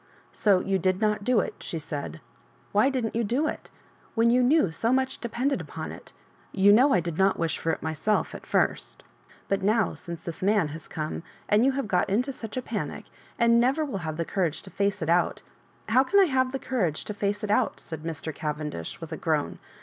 "So you did not do it," she said. ""Why didn't you do it ? when you knew so much de pended upon it J You know I did not wish for it myself, at first But now since this man has come, and you have got into such a panic, and never will have the courage to face it out "" How can I have the courage to fece it out ?'* said Mr. Cavendish, with a groan.